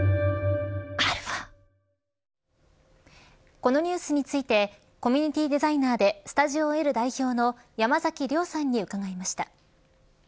このニュースについてコミュニティーデザイナーでｓｔｕｄｉｏ‐Ｌ代表の山崎亮さんに伺いました。